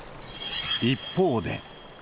一方で。